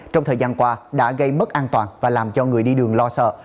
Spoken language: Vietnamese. trong thời gian qua đã gây mất an toàn và làm cho người đi đường lo sợ